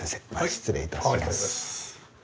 失礼いたします。